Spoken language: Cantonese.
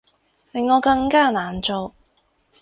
令我更加難做